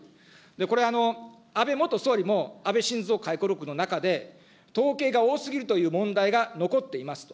これ、安倍元総理も安倍晋三回顧録の中で、統計が多すぎるという問題が残っていますと。